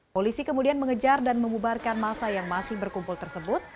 polisi kemudian mengejar dan memubarkan masa yang masih berkumpul tersebut